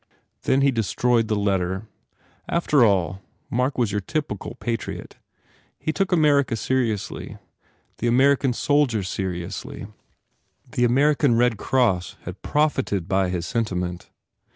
Then he destroyed the letter. After all, Mark was your typical patriot. He took America seriously, the American soldier seriously, the American Red Cross had profited by his senti ment.